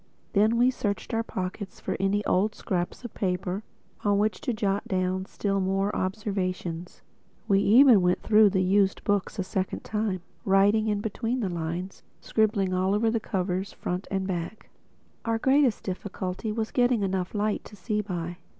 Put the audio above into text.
Then we searched our pockets for any odd scraps of paper on which to jot down still more observations. We even went through the used books a second time, writing in between the lines, scribbling all over the covers, back and front. Our greatest difficulty was getting enough light to see by.